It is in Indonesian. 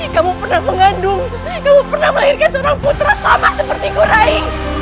kamu pernah mengandung kamu pernah melahirkan seorang putra sama sepertiku rai